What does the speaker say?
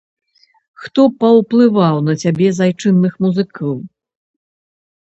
Хто паўплываў на цябе з айчынных музыкаў?